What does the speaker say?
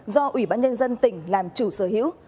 do ủy ban nhân dân tỉnh làm chủ sở hữu